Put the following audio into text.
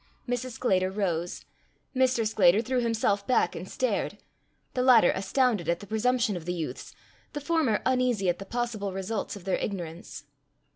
Mrs. Sclater rose; Mr. Sclater threw himself back and stared; the latter astounded at the presumption of the youths, the former uneasy at the possible results of their ignorance.